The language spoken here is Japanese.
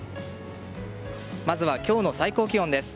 まずは今日の最高気温です。